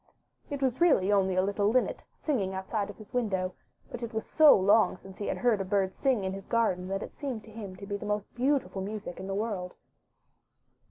It was really only a little linnet singing outside his window, but it was so long since he had heard a bird sing in his garden that it seemed to him to be the most beautiful music in the world.